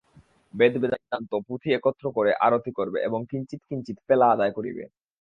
বেদ বেদান্ত পুঁথি একত্র করে আরতি করবে, এবং কিঞ্চিৎ কিঞ্চিৎ পেলা আদায় করিবে।